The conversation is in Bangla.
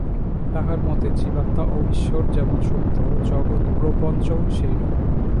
তাঁহার মতে জীবাত্মা ও ঈশ্বর যেমন সত্য, জগৎপ্রপঞ্চও সেইরূপ।